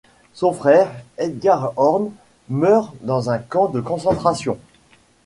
Son frère, Edgar Horn, meurt dans un camp de concentration.